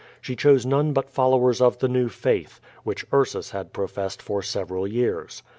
She chose none but followers of the new faith, which Ursus had professed for several years.